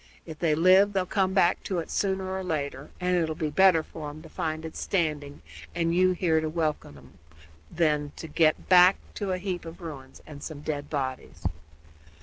If they live they'll come back to it sooner or later, and it 'll be better for 'em to find it standing, and you here to welcome 'em, than to get back to a heap of ruins and some dead bodies."